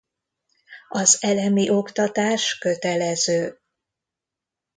Az elemi oktatás kötelező.